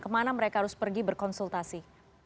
kemana mereka harus pergi berkonsultasi